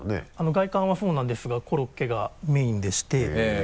外観はそうなんですがコロッケがメインでして。